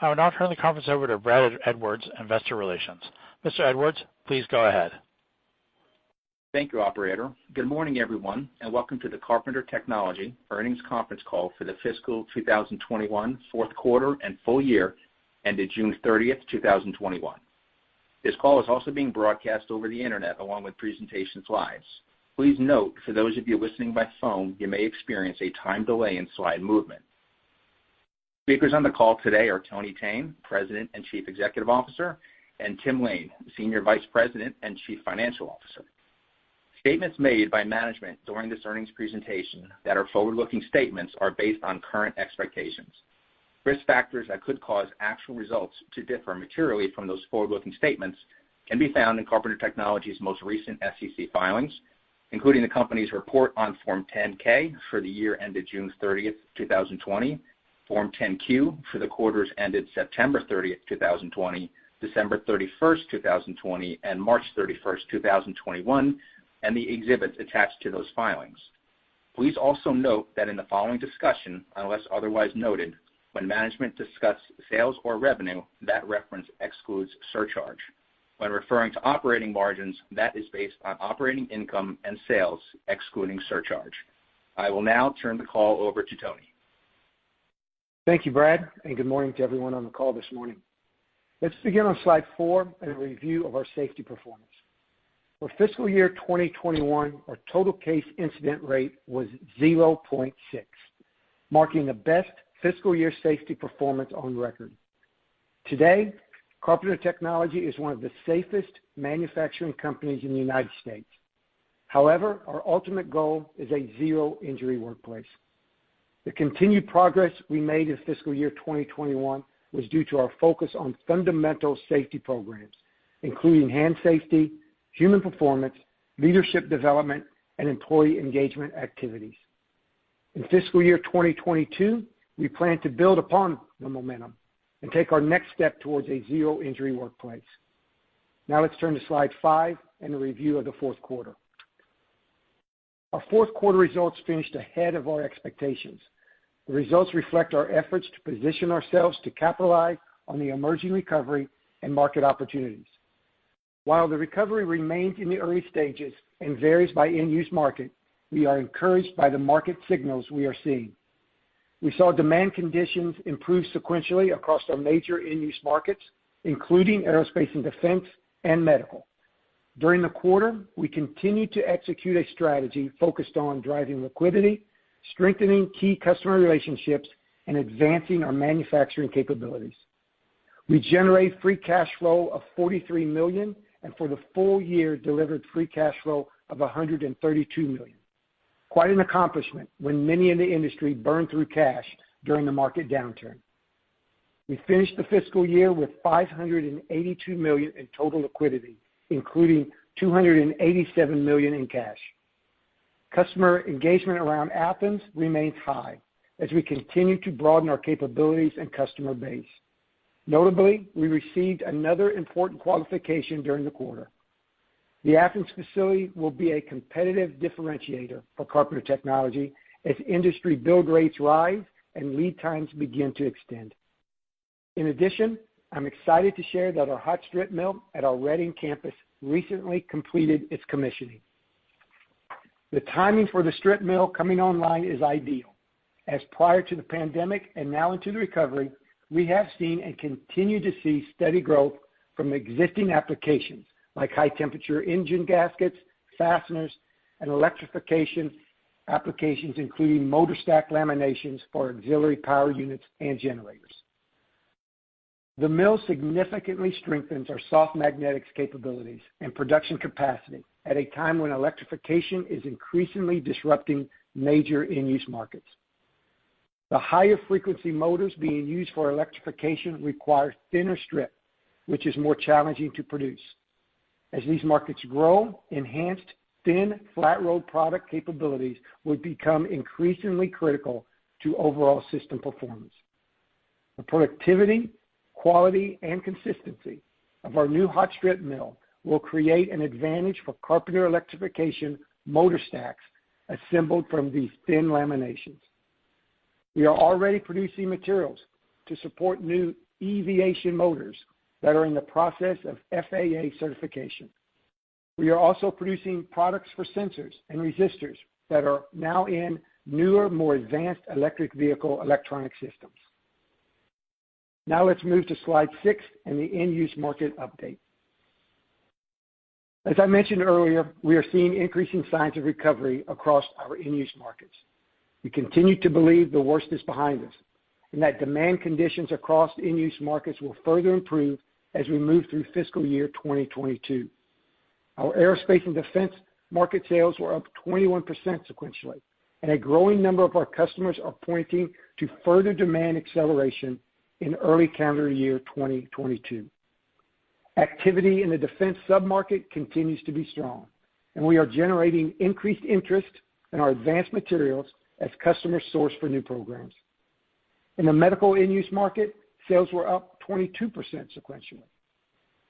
I will now turn the conference over to Brad Edwards, Investor Relations. Mr. Edwards, please go ahead. Thank you, operator. Good morning, everyone, and welcome to the Carpenter Technology earnings conference call for the fiscal 2021 fourth quarter and full year ended June 30, 2021. This call is also being broadcast over the internet along with presentation slides. Please note, for those of you listening by phone, you may experience a time delay in slide movement. Speakers on the call today are Tony Thene, President and Chief Executive Officer, and Tim Lain, Senior Vice President and Chief Financial Officer. Statements made by management during this earnings presentation that are forward-looking statements are based on current expectations. Risk factors that could cause actual results to differ materially from those forward-looking statements can be found in Carpenter Technology's most recent SEC filings, including the company's report on Form 10-K for the year ended June 30th, 2020, Form 10-Q for the quarters ended September 30th, 2020, December 31st, 2020 and March 31st, 2021, and the exhibits attached to those filings. Please also note that in the following discussion, unless otherwise noted, when management discuss sales or revenue, that reference excludes surcharge. When referring to operating margins, that is based on operating income and sales, excluding surcharge. I will now turn the call over to Tony. Thank you, Brad, and good morning to everyone on the call this morning. Let's begin on slide four in a review of our safety performance. For fiscal year 2021, our total case incident rate was 0.6, marking the best fiscal year safety performance on record. Today, Carpenter Technology is one of the safest manufacturing companies in the United States. However, our ultimate goal is a zero injury workplace. The continued progress we made in fiscal year 2021 was due to our focus on fundamental safety programs, including hand safety, human performance, leadership development, and employee engagement activities. In fiscal year 2022, we plan to build upon the momentum and take our next step towards a zero injury workplace. Now let's turn to slide five and a review of the fourth quarter. Our fourth quarter results finished ahead of our expectations. The results reflect our efforts to position ourselves to capitalize on the emerging recovery and market opportunities. While the recovery remains in the early stages and varies by end-use market, we are encouraged by the market signals we are seeing. We saw demand conditions improve sequentially across our major end-use markets, including aerospace and defense and medical. During the quarter, we continued to execute a strategy focused on driving liquidity, strengthening key customer relationships, and advancing our manufacturing capabilities. We generated free cash flow of $43 million and for the full year delivered free cash flow of $132 million. Quite an accomplishment when many in the industry burned through cash during the market downturn. We finished the fiscal year with $582 million in total liquidity, including $287 million in cash. Customer engagement around Athens remains high as we continue to broaden our capabilities and customer base. Notably, we received another important qualification during the quarter. The Athens facility will be a competitive differentiator for Carpenter Technology as industry build rates rise and lead times begin to extend. In addition, I'm excited to share that our hot strip mill at our Reading campus recently completed its commissioning. The timing for the strip mill coming online is ideal, as prior to the pandemic and now into the recovery, we have seen and continue to see steady growth from existing applications like high temperature engine gaskets, fasteners, and electrification applications, including motor stack laminations for auxiliary power units and generators. The mill significantly strengthens our soft magnetics capabilities and production capacity at a time when electrification is increasingly disrupting major end-use markets. The higher frequency motors being used for electrification require thinner strip, which is more challenging to produce. As these markets grow, enhanced thin flat rolled product capabilities will become increasingly critical to overall system performance. The productivity, quality, and consistency of our new hot strip mill will create an advantage for Carpenter electrification motor stacks assembled from these thin laminations. We are already producing materials to support new aviation motors that are in the process of FAA certification. We are also producing products for sensors and resistors that are now in newer, more advanced electric vehicle electronic systems. Let's move to slide six and the end-use market update. As I mentioned earlier, we are seeing increasing signs of recovery across our end-use markets. We continue to believe the worst is behind us, and that demand conditions across end-use markets will further improve as we move through fiscal year 2022. Our aerospace and defense market sales were up 21% sequentially, and a growing number of our customers are pointing to further demand acceleration in early calendar year 2022. Activity in the defense sub-market continues to be strong, and we are generating increased interest in our advanced materials as customer source for new programs. In the medical end-use market, sales were up 22% sequentially.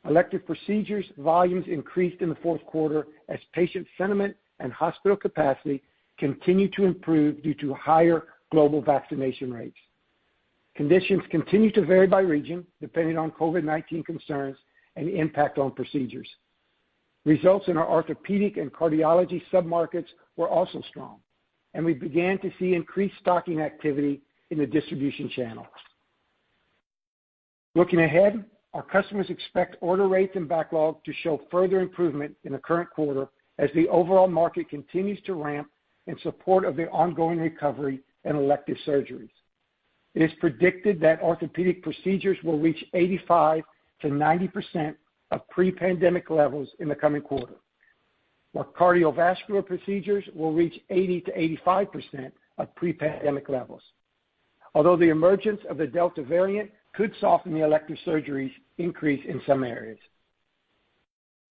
Elective procedures volumes increased in the fourth quarter as patient sentiment and hospital capacity continue to improve due to higher global vaccination rates. Conditions continue to vary by region depending on COVID-19 concerns and impact on procedures. Results in our orthopedic and cardiology sub-markets were also strong, and we began to see increased stocking activity in the distribution channels. Looking ahead, our customers expect order rates and backlog to show further improvement in the current quarter as the overall market continues to ramp in support of the ongoing recovery in elective surgeries. It is predicted that orthopedic procedures will reach 85%-90% of pre-pandemic levels in the coming quarter, while cardiovascular procedures will reach 80%-85% of pre-pandemic levels. The emergence of the Delta variant could soften the elective surgeries increase in some areas.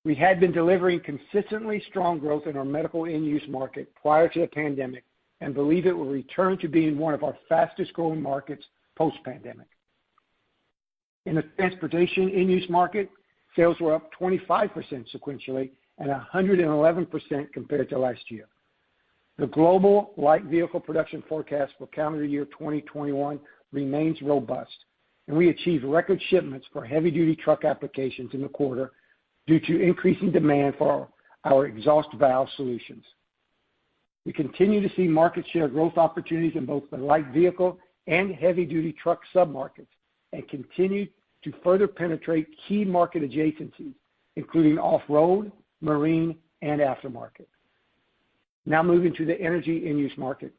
We had been delivering consistently strong growth in our medical end-use market prior to the pandemic and believe it will return to being one of our fastest-growing markets post-pandemic. In the transportation end-use market, sales were up 25% sequentially and 111% compared to last year. The global light vehicle production forecast for calendar year 2021 remains robust, and we achieved record shipments for heavy-duty truck applications in the quarter due to increasing demand for our exhaust valve solutions. We continue to see market share growth opportunities in both the light vehicle and heavy-duty truck sub-markets and continue to further penetrate key market adjacencies, including off-road, marine, and aftermarket. Moving to the energy end-use market.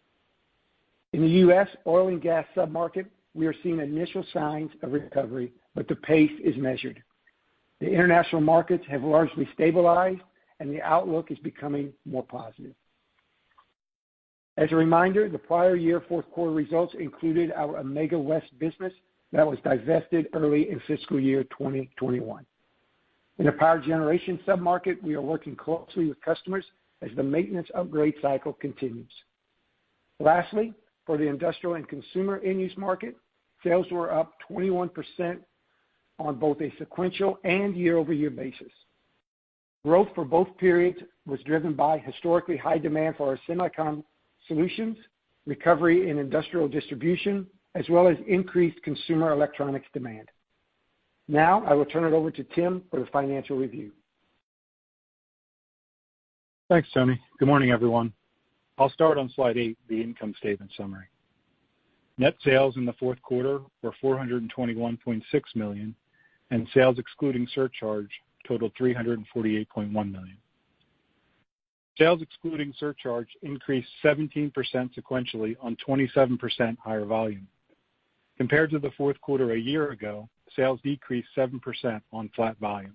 In the U.S. oil and gas sub-market, we are seeing initial signs of recovery, but the pace is measured. The international markets have largely stabilized, and the outlook is becoming more positive. As a reminder, the prior year fourth quarter results included our Amega West business that was divested early in fiscal year 2021. In the power generation sub-market, we are working closely with customers as the maintenance upgrade cycle continues. Lastly, for the industrial and consumer end-use market, sales were up 21% on both a sequential and year-over-year basis. Growth for both periods was driven by historically high demand for our semicon solutions, recovery in industrial distribution, as well as increased consumer electronics demand. Now, I will turn it over to Tim for the financial review. Thanks, Tony. Good morning, everyone. I'll start on slide eight, the income statement summary. Net sales in the fourth quarter were $421.6 million, and sales excluding surcharge totaled $348.1 million. Sales excluding surcharge increased 17% sequentially on 27% higher volume. Compared to the fourth quarter a year ago, sales decreased 7% on flat volume.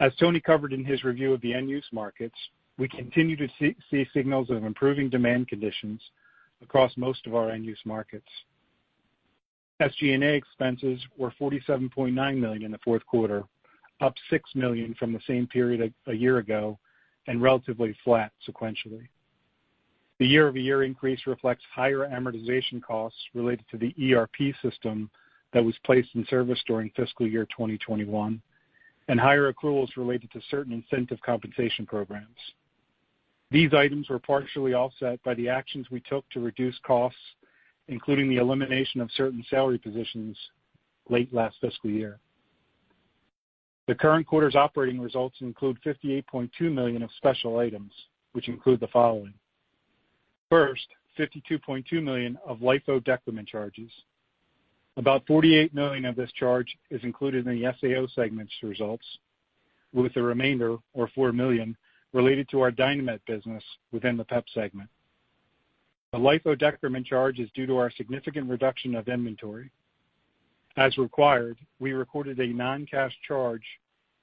As Tony covered in his review of the end-use markets, we continue to see signals of improving demand conditions across most of our end-use markets. SG&A expenses were $47.9 million in the fourth quarter, up $6 million from the same period a year ago and relatively flat sequentially. The year-over-year increase reflects higher amortization costs related to the ERP system that was placed in service during fiscal year 2021 and higher accruals related to certain incentive compensation programs. These items were partially offset by the actions we took to reduce costs, including the elimination of certain salary positions late last fiscal year. The current quarter's operating results include $58.2 million of special items, which include the following. First, $52.2 million of LIFO decrement charges. About $48 million of this charge is included in the SAO segment's results, with the remainder, or $4 million, related to our Dynamet business within the PEP segment. The LIFO decrement charge is due to our significant reduction of inventory. As required, we recorded a non-cash charge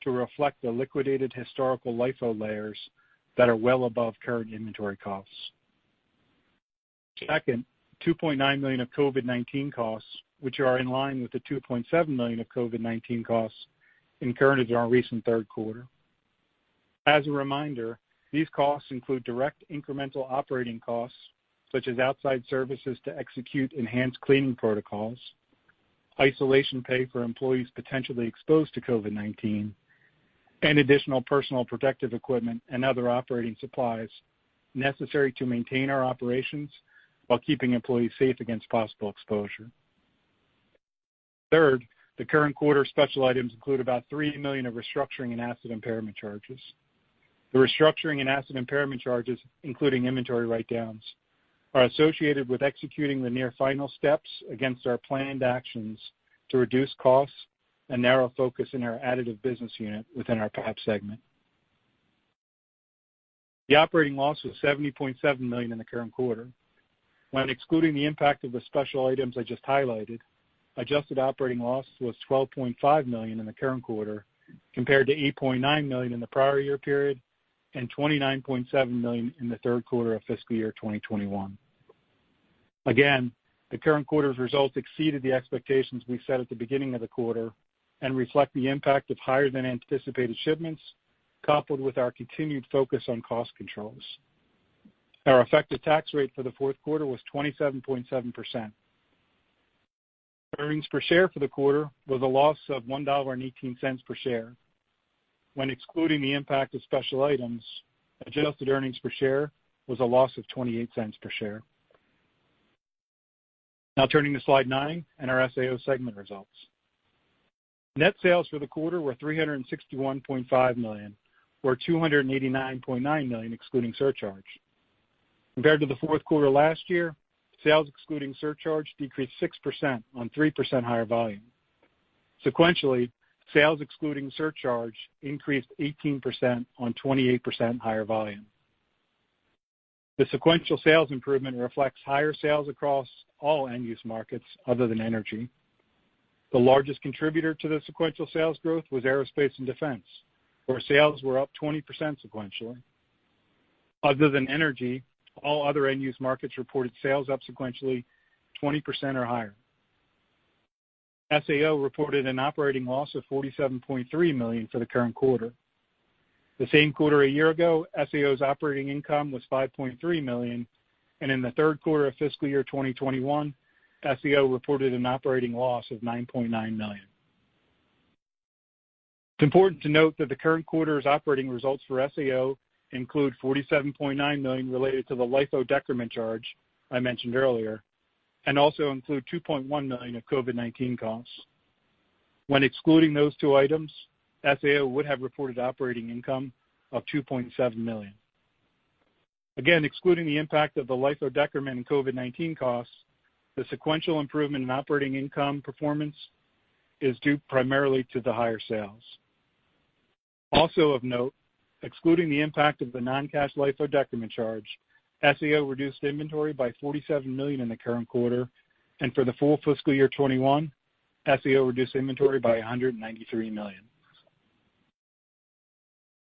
to reflect the liquidated historical LIFO layers that are well above current inventory costs. Second, $2.9 million of COVID-19 costs, which are in line with the $2.7 million of COVID-19 costs incurred in our recent third quarter. As a reminder, these costs include direct incremental operating costs, such as outside services to execute enhanced cleaning protocols, isolation pay for employees potentially exposed to COVID-19, and additional personal protective equipment and other operating supplies necessary to maintain our operations while keeping employees safe against possible exposure. Third, the current quarter special items include about $3 million of restructuring and asset impairment charges. The restructuring and asset impairment charges, including inventory write-downs, are associated with executing the near final steps against our planned actions to reduce costs and narrow focus in our additive business unit within our PEP segment. The operating loss was $70.7 million in the current quarter. When excluding the impact of the special items I just highlighted, adjusted operating loss was $12.5 million in the current quarter, compared to $8.9 million in the prior year period, and $29.7 million in the third quarter of fiscal year 2021. The current quarter's results exceeded the expectations we set at the beginning of the quarter and reflect the impact of higher than anticipated shipments, coupled with our continued focus on cost controls. Our effective tax rate for the fourth quarter was 27.7%. Earnings per share for the quarter was a loss of $1.18 per share. When excluding the impact of special items, adjusted earnings per share was a loss of $0.28 per share. Turning to slide nine and our SAO segment results. Net sales for the quarter were $361.5 million, or $289.9 million excluding surcharge. Compared to the fourth quarter last year, sales excluding surcharge decreased 6% on 3% higher volume. Sequentially, sales excluding surcharge increased 18% on 28% higher volume. The sequential sales improvement reflects higher sales across all end-use markets other than energy. The largest contributor to the sequential sales growth was aerospace and defense, where sales were up 20% sequentially. Other than energy, all other end-use markets reported sales up sequentially 20% or higher. SAO reported an operating loss of $47.3 million for the current quarter. The same quarter a year ago, SAO's operating income was $5.3 million, and in the third quarter of fiscal year 2021, SAO reported an operating loss of $9.9 million. It's important to note that the current quarter's operating results for SAO include $47.9 million related to the LIFO decrement charge I mentioned earlier, and also include $2.1 million of COVID-19 costs. When excluding those two items, SAO would have reported operating income of $2.7 million. Again, excluding the impact of the LIFO decrement and COVID-19 costs, the sequential improvement in operating income performance is due primarily to the higher sales. Also of note, excluding the impact of the non-cash LIFO decrement charge, SAO reduced inventory by $47 million in the current quarter, and for the full fiscal year 2021, SAO reduced inventory by $193 million.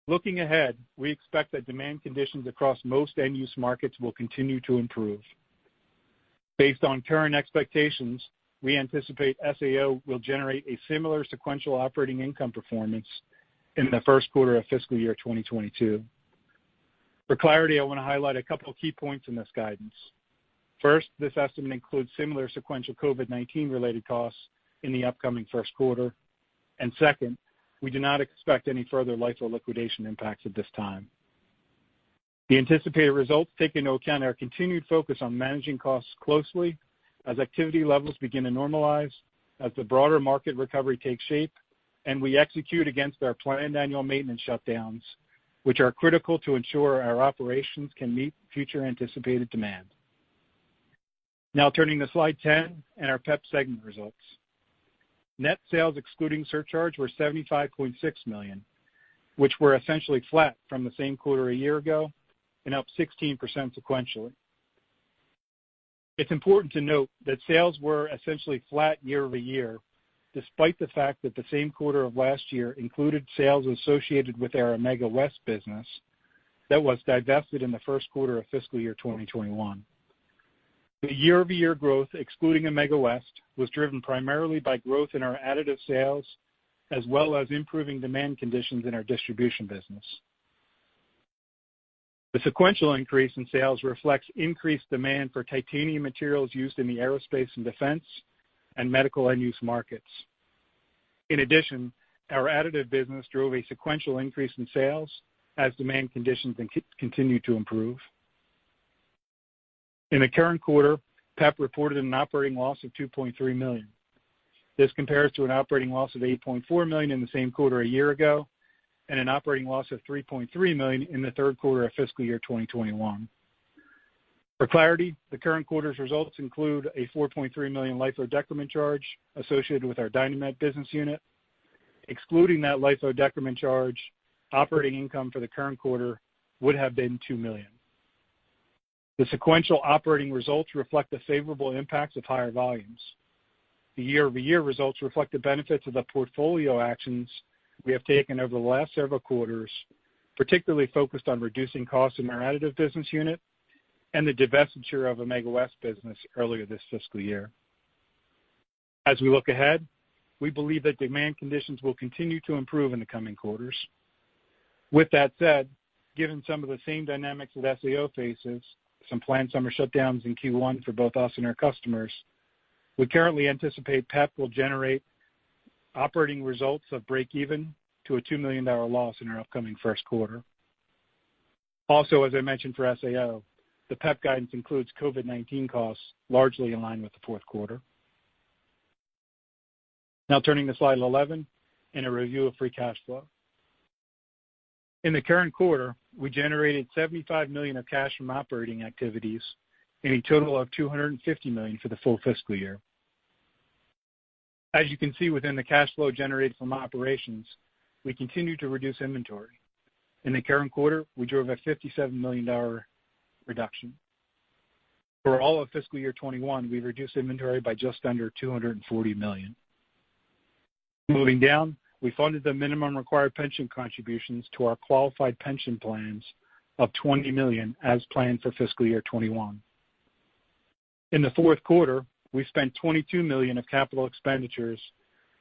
Looking ahead, we expect that demand conditions across most end-use markets will continue to improve. Based on current expectations, we anticipate SAO will generate a similar sequential operating income performance in the first quarter of fiscal year 2022. For clarity, I want to highlight a couple key points in this guidance. First, this estimate includes similar sequential COVID-19 related costs in the upcoming first quarter. Second, we do not expect any further LIFO liquidation impacts at this time. The anticipated results take into account our continued focus on managing costs closely as activity levels begin to normalize, as the broader market recovery takes shape, and we execute against our planned annual maintenance shutdowns, which are critical to ensure our operations can meet future anticipated demand. Now turning to slide 10 and our PEP segment results. Net sales excluding surcharge were $75.6 million, which were essentially flat from the same quarter a year ago and up 16% sequentially. It's important to note that sales were essentially flat year-over-year, despite the fact that the same quarter of last year included sales associated with our Amega West business that was divested in the first quarter of fiscal year 2021. The year-over-year growth, excluding Amega West, was driven primarily by growth in our additive sales, as well as improving demand conditions in our distribution business. The sequential increase in sales reflects increased demand for titanium materials used in the aerospace and defense and medical end-use markets. In addition, our additive business drove a sequential increase in sales as demand conditions continue to improve. In the current quarter, PEP reported an operating loss of $2.3 million. This compares to an operating loss of $8.4 million in the same quarter a year ago, and an operating loss of $3.3 million in the third quarter of fiscal year 2021. For clarity, the current quarter's results include a $4.3 million LIFO decrement charge associated with our Dynamet business unit. Excluding that LIFO decrement charge, operating income for the current quarter would have been $2 million. The sequential operating results reflect the favorable impacts of higher volumes. The year-over-year results reflect the benefits of the portfolio actions we have taken over the last several quarters, particularly focused on reducing costs in our additive business unit and the divestiture of Amega West business earlier this fiscal year. As we look ahead, we believe that demand conditions will continue to improve in the coming quarters. With that said, given some of the same dynamics that SAO faces, some planned summer shutdowns in Q1 for both us and our customers, we currently anticipate PEP will generate operating results of break even to a $2 million loss in our upcoming first quarter. As I mentioned for SAO, the PEP guidance includes COVID-19 costs largely in line with the fourth quarter. Turning to slide 11 and a review of free cash flow. In the current quarter, we generated $75 million of cash from operating activities and a total of $250 million for the full fiscal year. As you can see within the cash flow generated from operations, we continue to reduce inventory. In the current quarter, we drove a $57 million reduction. For all of fiscal year 2021, we reduced inventory by just under $240 million. Moving down, we funded the minimum required pension contributions to our qualified pension plans of $20 million as planned for fiscal year 2021. In the fourth quarter, we spent $22 million of capital expenditures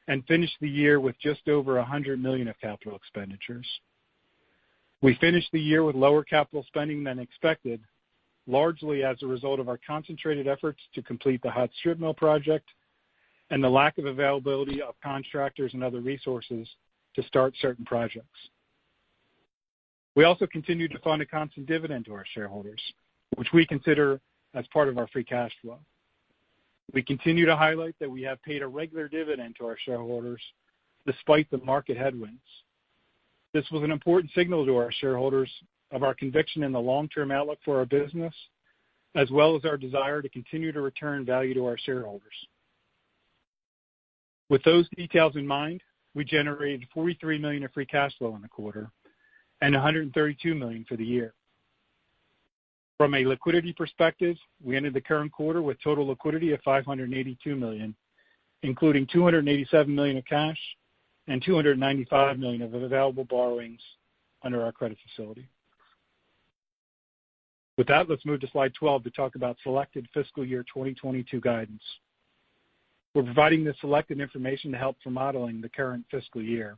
and finished the year with just over $100 million of capital expenditures. We finished the year with lower capital spending than expected, largely as a result of our concentrated efforts to complete the hot strip mill project and the lack of availability of contractors and other resources to start certain projects. We also continued to fund a constant dividend to our shareholders, which we consider as part of the free cash flow. We continue to highlight that we have paid a regular dividend to our shareholders despite the market headwinds. This was an important signal to our shareholders of our conviction in the long-term outlook for our business, as well as our desire to continue to return value to our shareholders. With those details in mind, we generated $43 million of free cash flow in the quarter and $132 million for the year. From a liquidity perspective, we ended the current quarter with total liquidity of $582 million, including $287 million of cash and $295 million of available borrowings under our credit facility. With that, let's move to slide 12 to talk about selected fiscal year 2022 guidance. We're providing this selected information to help for modeling the current fiscal year.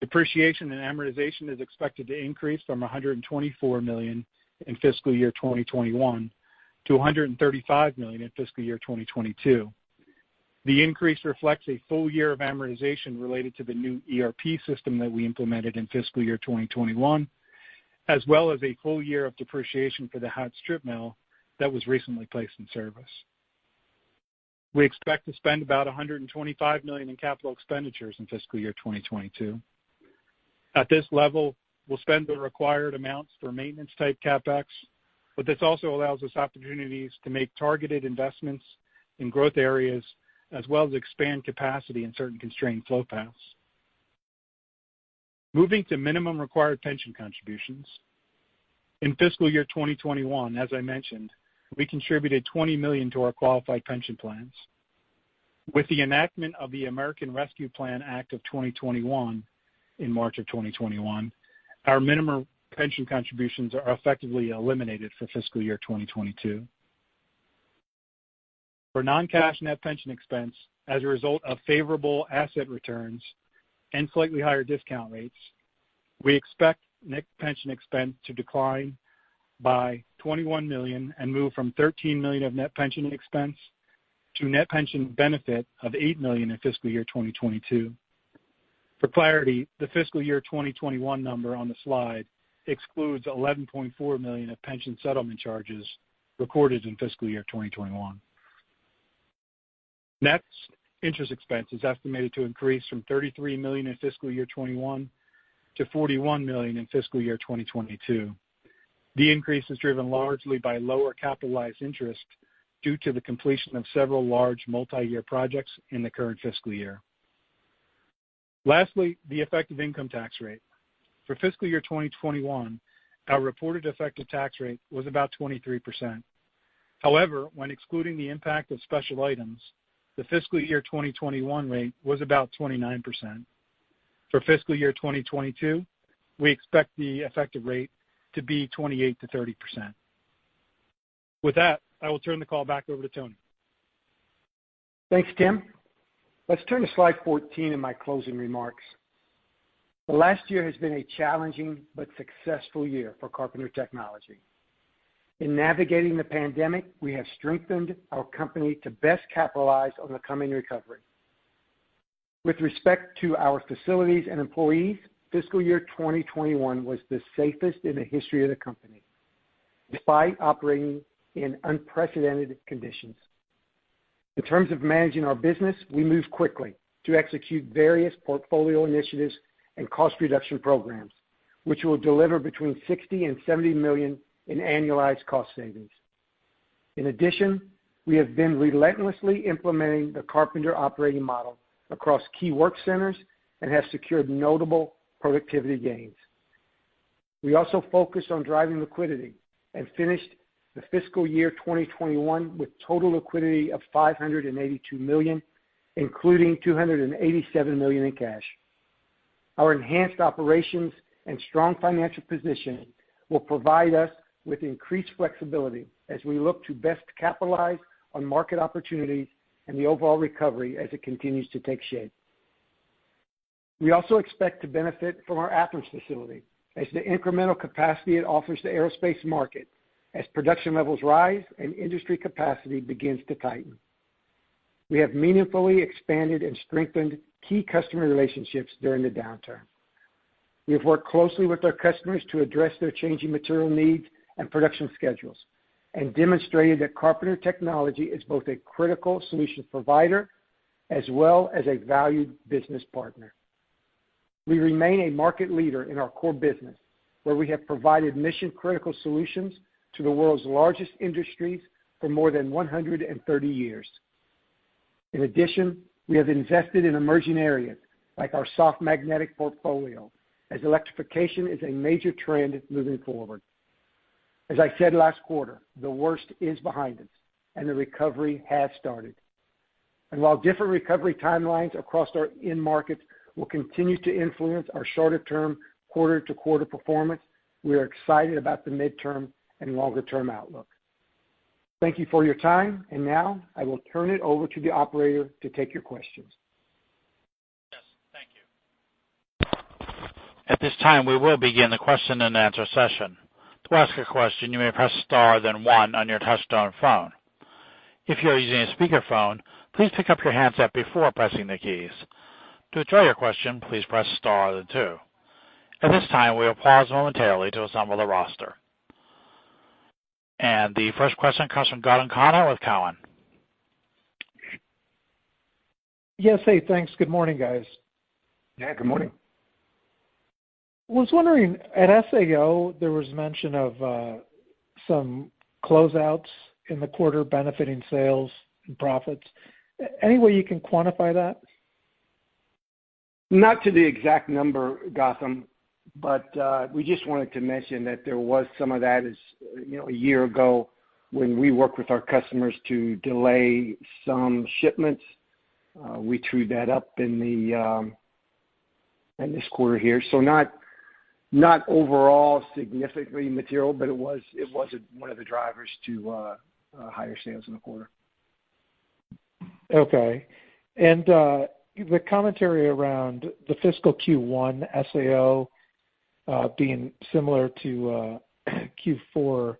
Depreciation and amortization is expected to increase from $124 million in fiscal year 2021 to $135 million in fiscal year 2022. The increase reflects a full year of amortization related to the new ERP system that we implemented in fiscal year 2021, as well as a full year of depreciation for the hot strip mill that was recently placed in service. We expect to spend about $125 million in capital expenditures in fiscal year 2022. At this level, we'll spend the required amounts for maintenance type CapEx, but this also allows us opportunities to make targeted investments in growth areas, as well as expand capacity in certain constrained flow paths. Moving to minimum required pension contributions. In fiscal year 2021, as I mentioned, we contributed $20 million to our qualified pension plans. With the enactment of the American Rescue Plan Act of 2021 in March of 2021, our minimum pension contributions are effectively eliminated for fiscal year 2022. For non-cash net pension expense as a result of favorable asset returns and slightly higher discount rates, we expect net pension expense to decline by $21 million and move from $13 million of net pension expense to net pension benefit of $8 million in fiscal year 2022. For clarity, the fiscal year 2021 number on the slide excludes $11.4 million of pension settlement charges recorded in fiscal year 2021. Net interest expense is estimated to increase from $33 million in fiscal year 2021 to $41 million in fiscal year 2022. The increase is driven largely by lower capitalized interest due to the completion of several large multi-year projects in the current fiscal year. Lastly, the effective income tax rate. For fiscal year 2021, our reported effective tax rate was about 23%. When excluding the impact of special items, the fiscal year 2021 rate was about 29%. For fiscal year 2022, we expect the effective rate to be 28%-30%. With that, I will turn the call back over to Tony. Thanks, Tim. Let's turn to slide 14 in my closing remarks. The last year has been a challenging but successful year for Carpenter Technology. In navigating the pandemic, we have strengthened our company to best capitalize on the coming recovery. With respect to our facilities and employees, fiscal year 2021 was the safest in the history of the company, despite operating in unprecedented conditions. In terms of managing our business, we moved quickly to execute various portfolio initiatives and cost reduction programs, which will deliver between $60 million and $70 million in annualized cost savings. In addition, we have been relentlessly implementing the Carpenter operating model across key work centers and have secured notable productivity gains. We also focused on driving liquidity and finished the fiscal year 2021 with total liquidity of $582 million, including $287 million in cash. Our enhanced operations and strong financial positioning will provide us with increased flexibility as we look to best capitalize on market opportunities and the overall recovery as it continues to take shape. We also expect to benefit from our Athens facility as the incremental capacity it offers the aerospace market as production levels rise and industry capacity begins to tighten. We have meaningfully expanded and strengthened key customer relationships during the downturn. We have worked closely with our customers to address their changing material needs and production schedules and demonstrated that Carpenter Technology is both a critical solution provider as well as a valued business partner. We remain a market leader in our core business, where we have provided mission-critical solutions to the world's largest industries for more than 130 years. In addition, we have invested in emerging areas like our soft magnetic portfolio, as electrification is a major trend moving forward. As I said last quarter, the worst is behind us and the recovery has started. While different recovery timelines across our end markets will continue to influence our shorter-term, quarter-to-quarter performance, we are excited about the midterm and longer-term outlook. Thank you for your time. Now I will turn it over to the operator to take your questions. Yes. Thank you. At this time, we will begin the question-and-answer session. To ask a question, you may press star then one on your touchtone phone. If you are using a speakerphone, please pick up your handset before pressing the keys. To withdraw your question, please press star then two. At this time, we will pause momentarily to assemble the roster. The first question comes from Gautam Khanna with Cowen. Yes. Hey, thanks. Good morning, guys. Yeah, good morning. Was wondering, at SAO, there was mention of some closeouts in the quarter benefiting sales and profits. Any way you can quantify that? Not to the exact number, Gautam, but we just wanted to mention that there was some of that as a year ago, when we worked with our customers to delay some shipments. We true that up in this quarter here. Not overall significantly material, but it was one of the drivers to higher sales in the quarter. Okay. The commentary around the fiscal Q1 SAO being similar to Q4.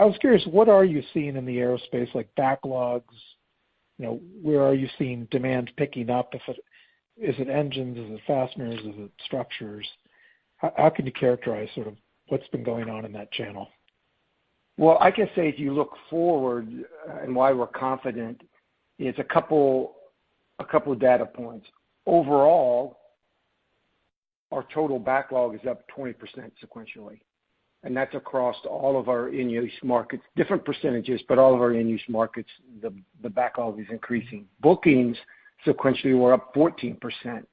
I was curious, what are you seeing in the aerospace, like backlogs? Where are you seeing demand picking up? Is it engines? Is it fasteners? Is it structures? How can you characterize sort of what's been going on in that channel? I can say if you look forward and why we're confident, it's a couple data points. Overall, our total backlog is up 20% sequentially, and that's across all of our end-use markets. Different percentages, but all of our end-use markets, the backlog is increasing. Bookings sequentially were up 14%.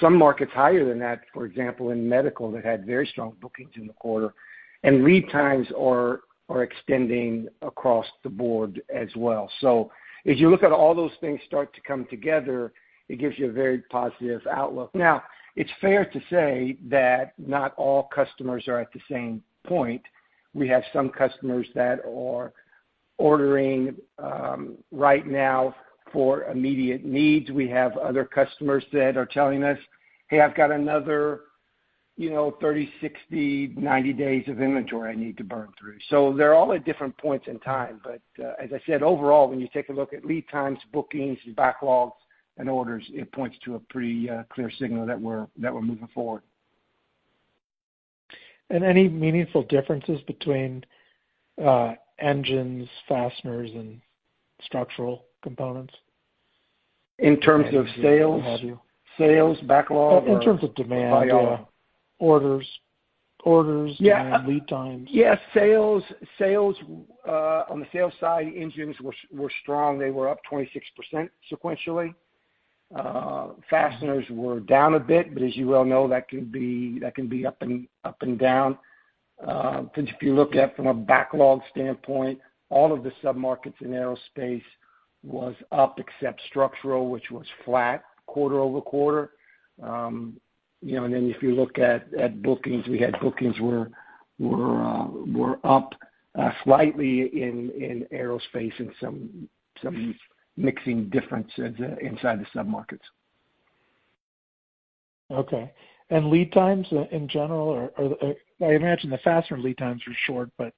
Some markets higher than that, for example, in medical, that had very strong bookings in the quarter, and lead times are extending across the board as well. If you look at all those things start to come together, it gives you a very positive outlook. Now, it's fair to say that not all customers are at the same point. We have some customers that are ordering right now for immediate needs. We have other customers that are telling us, "Hey, I've got another 30, 60, 90 days of inventory I need to burn through." They're all at different points in time. As I said, overall, when you take a look at lead times, bookings, backlogs, and orders, it points to a pretty clear signal that we're moving forward. Any meaningful differences between engines, fasteners, and structural components? In terms of sales? In terms of demand- By all. Orders and lead times. Yes, on the sales side, engines were strong. They were up 26% sequentially. Fasteners were down a bit, but as you well know, that can be up and down. If you look at from a backlog standpoint, all of the sub-markets in aerospace was up except structural, which was flat quarter-over-quarter. If you look at bookings, we had bookings were up slightly in aerospace and some mixing difference inside the sub-markets. Okay. Lead times in general are, I imagine the fastener lead times are short, but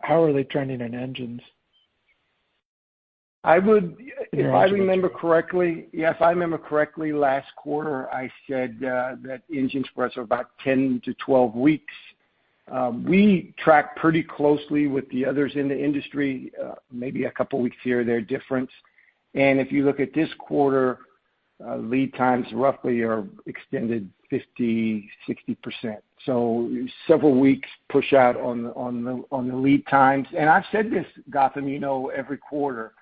how are they trending in engines? If I remember correctly, last quarter I said that engines were about 10 to 12 weeks. We track pretty closely with the others in the industry, maybe a couple of weeks here or there difference. If you look at this quarter, lead times roughly are extended 50%, 60%. Several weeks push out on the lead times. I've said this, Gautam, you know every quarter.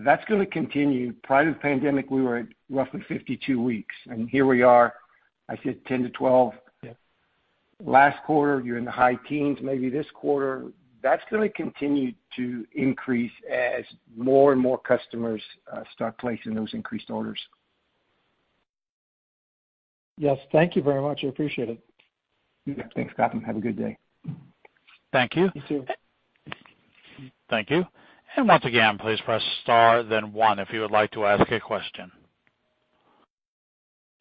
That's going to continue. Prior to the pandemic, we were at roughly 52 weeks, and here we are, I said 10 to 12. Yeah. Last quarter, you're in the high teens, maybe this quarter. That's going to continue to increase as more and more customers start placing those increased orders. Yes. Thank you very much. I appreciate it. Yeah. Thanks, Gautam. Have a good day. Thank you. You, too. Thank you. Once again, please press star then one if you would like to ask a question.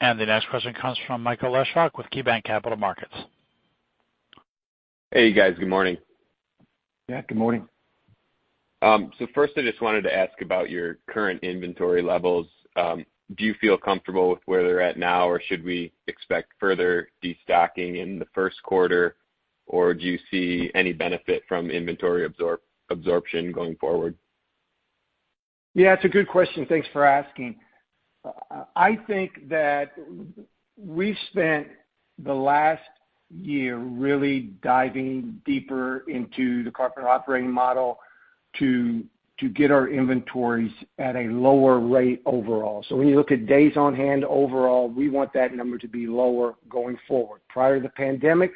The next question comes from Michael Lesher with KeyBanc Capital Markets. Hey, guys. Good morning. Yeah, good morning. First, I just wanted to ask about your current inventory levels. Do you feel comfortable with where they're at now, or should we expect further destocking in the first quarter, or do you see any benefit from inventory absorption going forward? Yeah, it's a good question. Thanks for asking. I think that we've spent the last year really diving deeper into the Carpenter operating model to get our inventories at a lower rate overall. When you look at days on hand overall, we want that number to be lower going forward. Prior to the pandemic,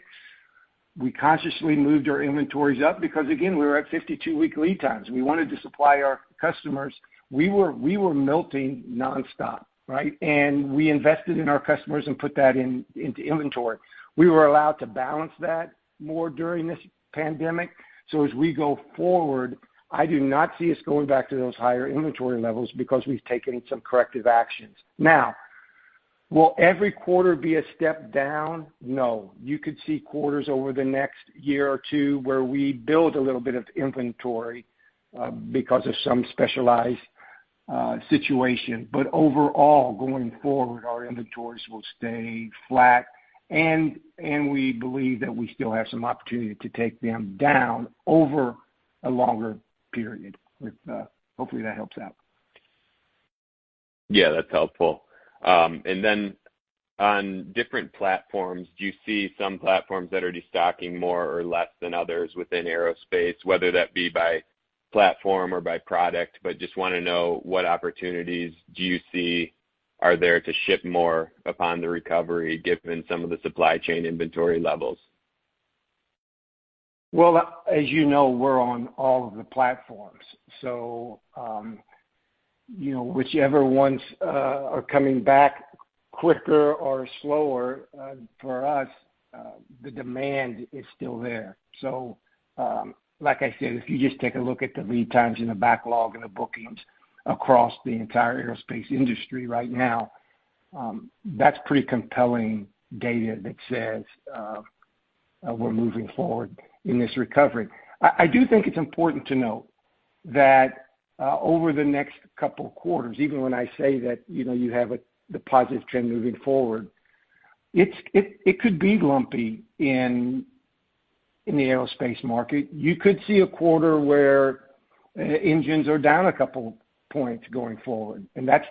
we consciously moved our inventories up because again, we were at 52-week lead times. We wanted to supply our customers. We were melting nonstop, right? We invested in our customers and put that into inventory. We were allowed to balance that more during this pandemic. As we go forward, I do not see us going back to those higher inventory levels because we've taken some corrective actions. Now, will every quarter be a step down? No. You could see quarters over the next year or two where we build a little bit of inventory because of some specialized situation. Overall, going forward, our inventories will stay flat, and we believe that we still have some opportunity to take them down over a longer period. Hopefully, that helps out. Yeah, that's helpful. On different platforms, do you see some platforms that are destocking more or less than others within aerospace, whether that be by platform or by product? Just want to know what opportunities do you see are there to ship more upon the recovery given some of the supply chain inventory levels? Well, as you know, we're on all of the platforms. Whichever ones are coming back quicker or slower, for us, the demand is still there. Like I said, if you just take a look at the lead times and the backlog and the bookings across the entire aerospace industry right now, that's pretty compelling data that says we're moving forward in this recovery. I do think it's important to note that over the next couple of quarters, even when I say that you have the positive trend moving forward, it could be lumpy in the aerospace market. You could see a quarter where engines are down a couple points going forward. That's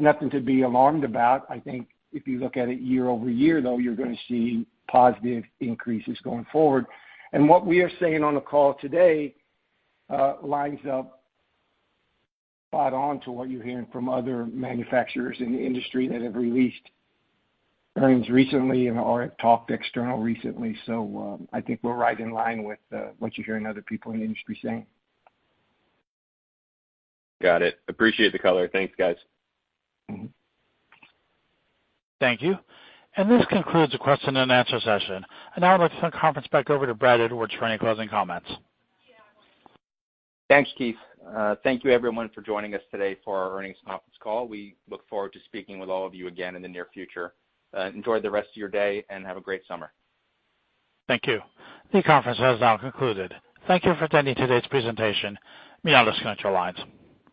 nothing to be alarmed about. I think if you look at it year-over-year, though, you're going to see positive increases going forward. What we are saying on the call today lines up spot on to what you're hearing from other manufacturers in the industry that have released earnings recently and/or have talked external recently. I think we're right in line with what you're hearing other people in the industry saying. Got it. Appreciate the color. Thanks, guys. Thank you. This concludes the question-and-answer session. I now would like to turn the conference back over to Brad Edwards for any closing comments. Thanks, Keith. Thank you, everyone, for joining us today for our earnings conference call. We look forward to speaking with all of you again in the near future. Enjoy the rest of your day, and have a great summer. Thank you. This conference has now concluded. Thank you for attending today's presentation. You may disconnect your lines.